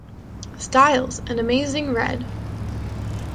Styles and Amazing Red.